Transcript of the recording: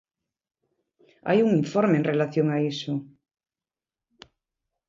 Hai un informe en relación a iso.